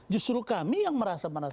justru kami yang merasa merasa